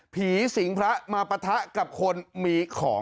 ผีสิงพระมาปะทะกับคนมีของ